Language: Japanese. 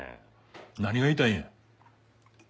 何が言いたいんや？